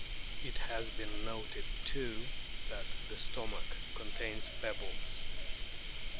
It has been noted too that the stomach contains pebbles.